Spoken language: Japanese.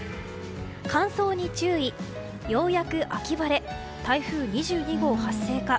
乾燥に注意、ようやく秋晴れ台風２２号発生か。